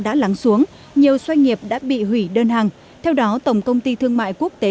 đã lắng xuống nhiều doanh nghiệp đã bị hủy đơn hàng theo đó tổng công ty thương mại quốc tế